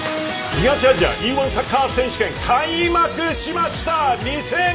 東アジアＥ‐１サッカー選手権開幕しました。